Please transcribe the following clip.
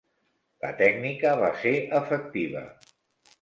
La tècnica va ser efectiva.